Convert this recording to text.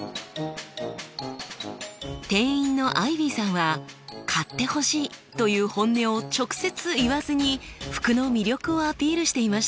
店員のアイビーさんは買ってほしいという本音を直接言わずに服の魅力をアピールしていました。